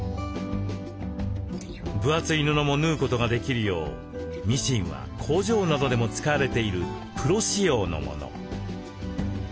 分厚い布も縫うことができるようミシンは工場などでも使われているプロ仕様のもの。